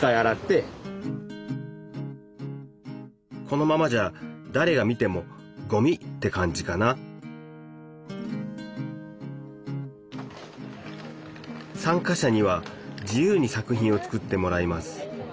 このままじゃだれが見てもごみって感じかな参加者には自由に作品を作ってもらいます。